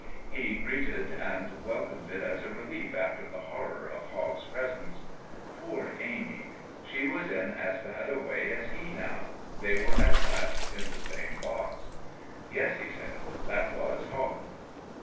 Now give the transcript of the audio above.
He greeted and welcomed it as a relief after the horror of Hogg's presence. Poor Amy! She was in as bad a way as he now they were at last in the same box. "Yes," he said, "that was Hogg."